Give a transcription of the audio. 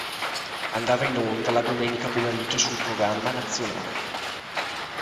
Andava in onda la domenica pomeriggio sul Programma Nazionale.